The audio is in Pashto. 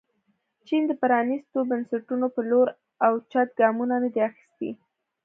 چین د پرانیستو بنسټونو په لور اوچت ګامونه نه دي اخیستي.